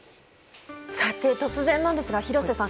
突然なんですが、廣瀬さん